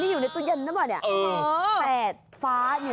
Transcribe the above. นี่อยู่ในต้นเย็นทั้งหมดเนี่ย